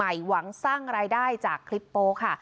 หวังสร้างรายได้จากคลิปโป๊ค่ะ